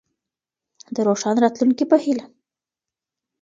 د روښانه راتلونکي په هيله.